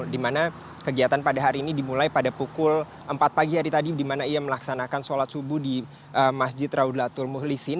dimana kegiatan pada hari ini dimulai pada pukul empat pagi hari tadi dimana ia melaksanakan sholat subuh di masjid rawlatul muhlisin